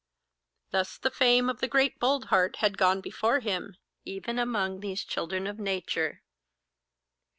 Thus the fame of the great Boldheart had gone before him, even among these children of Nature.